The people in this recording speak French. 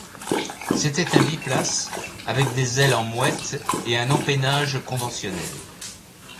C'était un biplace avec des ailes en mouette et un empennage conventionnel.